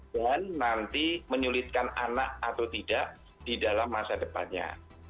dan nanti menyulitkan anak atau tidak di dalam masa depannya